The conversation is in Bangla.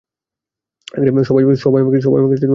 সবাই আমাকে টেইলস বলে ডাকে।